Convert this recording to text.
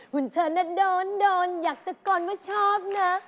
หุ่นเธอน่ะโดนอยากแต่ก่อนว่าชอบนะ